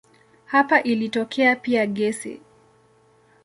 Hapa ilitokea pia gesi.